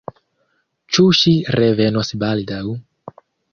Ĉu ŝi revenos baldaŭ?